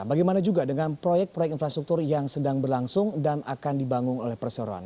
bagaimana juga dengan proyek proyek infrastruktur yang sedang berlangsung dan akan dibangun oleh perseroan